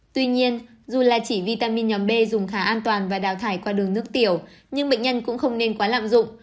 tuy nhiên dù là chỉ vitamin nhóm b dùng khá an toàn và đào thải qua đường nước tiểu nhưng bệnh nhân cũng không nên quá lạm dụng